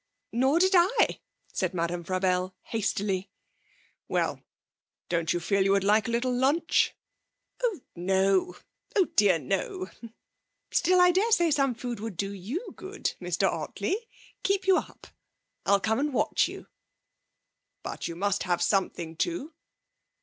'Nor did I,' said Madame Frabelle hastily. 'Well, don't you feel that you would like a little lunch?' 'Oh no oh dear, no. Still, I dare say some food would do you good, Mr Ottley keep you up. I'll come and watch you.' 'But you must have something too.'